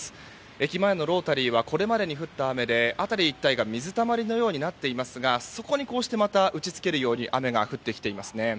駅前のロータリーはこれまでに降った雨で辺り一帯が水たまりのようになっていますがそこにこうして打ち付けるように雨が降ってきています。